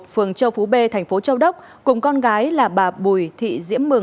phường châu phú b thành phố châu đốc cùng con gái là bà bùi thị diễm mường